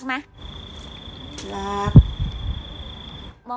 กินกัน